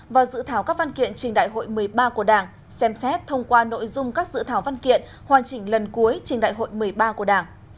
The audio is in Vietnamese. và dự thảo các văn kiện trình đại hội một mươi ba của đảng xem xét thông qua nội dung các dự thảo văn kiện hoàn chỉnh lần cuối trên đại hội một mươi ba của đảng